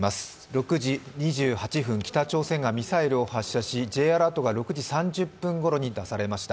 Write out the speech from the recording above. ６時２８分、北朝鮮がミサイルを発射しＪアラートが６時３０分ごろに出されました。